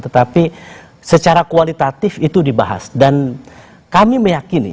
tetapi secara kualitatif itu dibahas dan kami meyakini